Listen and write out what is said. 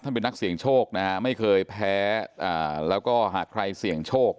เป็นนักเสี่ยงโชคนะฮะไม่เคยแพ้แล้วก็หากใครเสี่ยงโชค